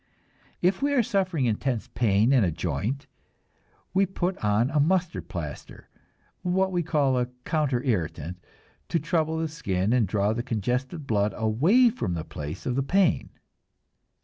If we are suffering intense pain in a joint, we put on a mustard plaster, what we call a counter irritant, to trouble the skin and draw the congested blood away from the place of the pain.